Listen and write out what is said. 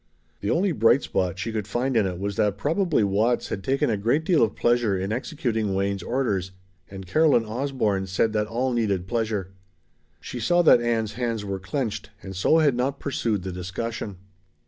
The only bright spot she could find in it was that probably Watts had taken a great deal of pleasure in executing Wayne's orders and Caroline Osborne said that all needed pleasure. She saw that Ann's hands were clenched, and so had not pursued the discussion.